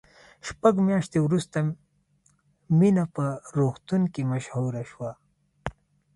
شپږ میاشتې وروسته مینه په روغتون کې مشهوره شوه